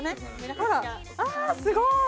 ほらあすごい！